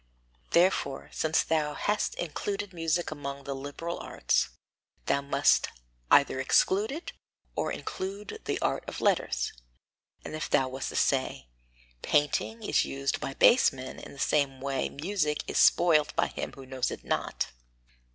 Therefore, since thou hast included music among the liberal arts, thou must either exclude it, or include the art of letters. And if thou wast to say: Painting is used by base men, in the same way is music spoilt by him who knows it not.